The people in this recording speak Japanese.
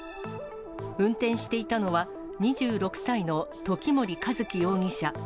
運転していたのは、２６歳の時森一輝容疑者。